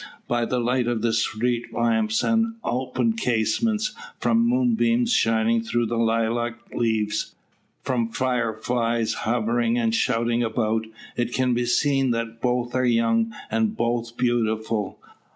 By the light from street lamps and open casements, from moonbeams shining through the lilac leaves, from fire flies hovering and shooting about, it can be seen that both are young, and both beautiful.